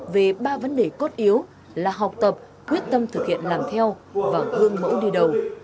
về ba vấn đề cốt yếu là học tập quyết tâm thực hiện làm theo và gương mẫu đi đầu